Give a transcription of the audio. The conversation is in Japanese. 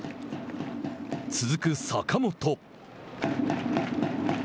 続く坂本。